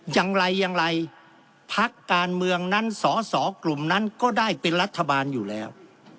อย่างไรอย่างไรพักการเมืองนั้นสอสอกลุ่มนั้นก็ได้เป็นรัฐบาลอยู่แล้ว